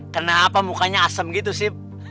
kenapa mukanya asem gitu sih